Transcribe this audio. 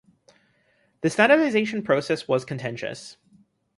The standardization process was contentious.